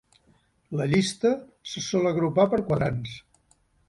La llista se sol agrupar per quadrants.